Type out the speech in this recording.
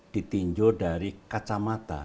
ditinggalkan dari kacamata